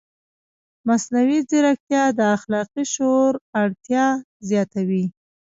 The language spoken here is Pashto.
مصنوعي ځیرکتیا د اخلاقي شعور اړتیا زیاتوي.